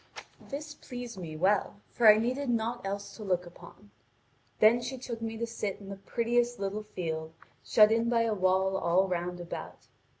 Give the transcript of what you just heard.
This pleased me well, for I needed naught else to look upon. Then she took me to sit down in the prettiest little field, shut in by a wall all round about.